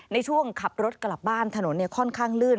ในช่วงขับรถกลับบ้านถนนค่อนข้างลื่น